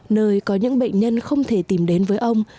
nơi có những bệnh nhân không thể tìm đến với ông